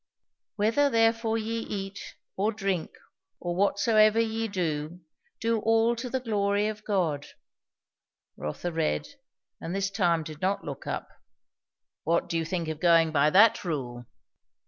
"'Whether therefore ye eat, or drink, or whatsoever ye do, do all to the glory of God.'" Rotha read, and this time did not look up. "What do you think of going by that rule?"